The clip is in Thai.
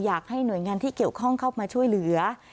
อยากให้หน่วยงานที่เกี่ยวข้องเข้ามาช่วยเหลือ